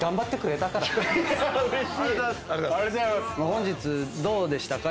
本日どうでしたか？